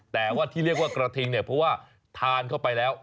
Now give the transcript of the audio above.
แต่ว่าที่เรียกว่ากระทิงเนี่ยเพราะว่าทานเข้าไปแล้ว